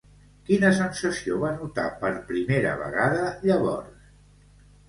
Quina sensació va notar per primera vegada llavors?